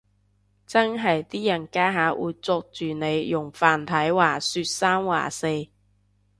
真係啲人家下會捉住你用繁體話說三話四